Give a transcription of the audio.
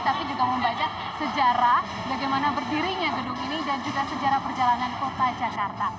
tapi juga membaca sejarah bagaimana berdirinya gedung ini dan juga sejarah perjalanan kota jakarta